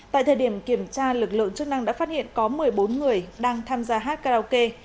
tại thời điểm kiểm tra lực lượng chức năng đã phát hiện có một mươi bốn người đang tham gia hát karaoke